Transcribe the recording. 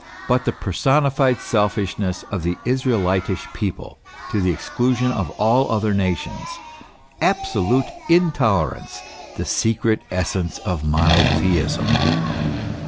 113 nothing but the personified selfishness of the Israelitish people, to the exclusion of all other nations, absolute intolerance, the secret essence of monotheism.